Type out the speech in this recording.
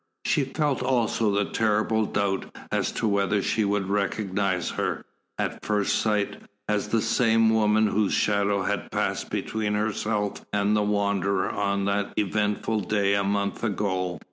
She felt also a terrible doubt as to whether she would recognise her, at first sight, as the same woman whose shadow had passed between herself and the Wanderer on that eventful day a month ago.